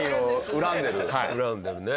恨んでるね。